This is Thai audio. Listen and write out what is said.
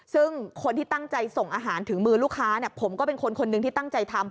ซึ่งคนที่ตั้งใจส่งอาหารถึงมือลูกค้าผมก็เป็นคนคนหนึ่งที่ตั้งใจทำ